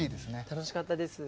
楽しかったです。